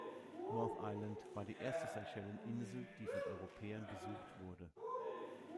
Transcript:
North Island war die erste Seychellen-Insel, die von Europäern besucht wurde.